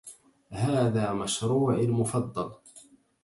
هذا مشروعي المفضل.